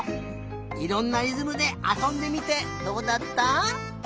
いろんなりずむであそんでみてどうだった？